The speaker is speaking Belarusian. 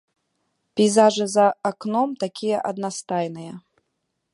Пейзажы за акном такія аднастайныя.